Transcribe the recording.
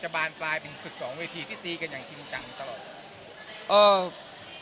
บานปลายเป็นศึกสองเวทีที่ตีกันอย่างจริงจังตลอด